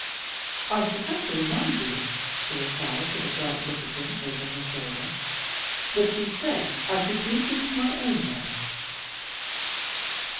"I shall have to remind you," she replied with a bright look at him over her shoulder, "that you said I could do things my own way."